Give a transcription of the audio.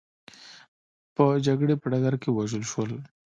په جګړې په ډګر کې ووژل شول.